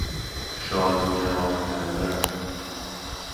شال و یراق کردن